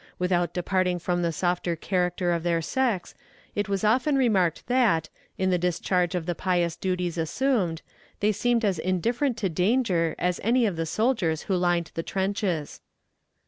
Without departing from the softer character of their sex, it was often remarked that, in the discharge of the pious duties assumed, they seemed as indifferent to danger as any of the soldiers who lined the trenches.